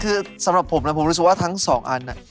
คือสำหรับผมนะผมรู้สึกว่าทั้งสองอัน